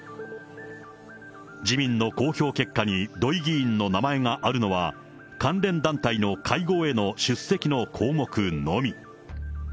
自民の公表結果に土井議員の名前があるのは、関連団体の会合への出席の項目のみ。